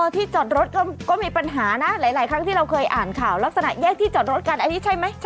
ที่จอดรถก็มีปัญหานะหลายครั้งที่เราเคยอ่านข่าวลักษณะแยกที่จอดรถกันอันนี้ใช่ไหม